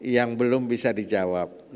yang belum bisa dijawab